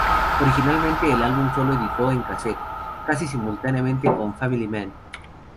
Originalmente el álbum solo se editó en casete, casi simultáneamente con Family Man.